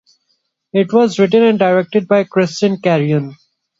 It was written and directed by Christian Carion.